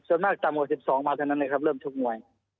ส่วนมากต่ำกว่า๑๒มาเท่านั้นเลยครับเริ่มชกมวย